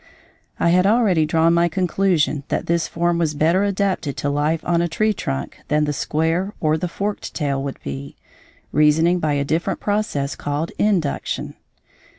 I had already drawn my conclusion that this form was better adapted to life on a tree trunk than the square or the forked tail would be, reasoning by a different process called induction.